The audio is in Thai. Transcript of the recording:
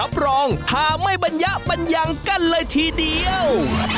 พร้อมไหม